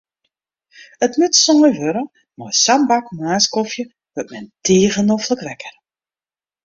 It moat sein wurde, mei sa'n bak moarnskofje wurdt men tige noflik wekker.